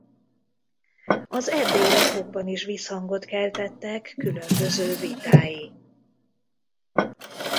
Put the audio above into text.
Az erdélyi lapokban is visszhangot keltettek különböző vitái.